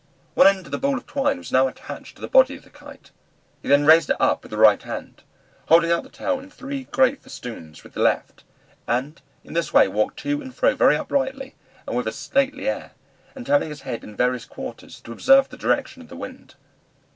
One end of the ball of twine was now attached to the body of the Kite. He then raised it up with the right hand, holding out the tail in three great festoons with the left, and in this way walked to and fro very uprightly and with a stately air, and turning his head in various quarters, to observe the direction of the wind.